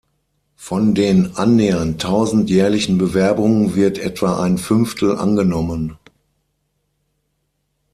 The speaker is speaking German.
Von den annähernd tausend jährlichen Bewerbungen wird etwa ein Fünftel angenommen.